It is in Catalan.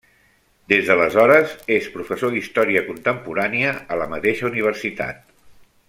Des d'aleshores és professor d'història contemporània a la mateixa Universitat.